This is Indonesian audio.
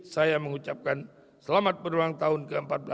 saya mengucapkan selamat berulang tahun ke empat belas